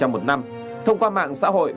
một năm thông qua mạng xã hội